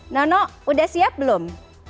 nono udah siap belum